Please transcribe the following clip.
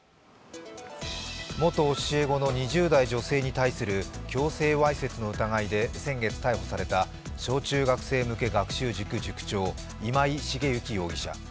元教え子の２０代女性に対する強制わいせつの疑いで先月、逮捕された小中学生向け学習塾塾長今井容疑者。